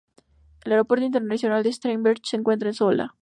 El aeropuerto internacional de Stavanger se encuentra en Sola.